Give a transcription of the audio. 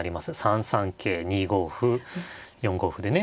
３三桂２五歩４五歩でね。